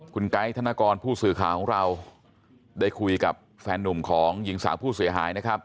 คุณไก๊ธนกรผู้สื่อข่าวของเราได้คุยกับแฟนนุ่มของหญิงสาวผู้เสียหายนะครับ